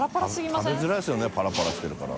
食べづらいですよねパラパラしてるから。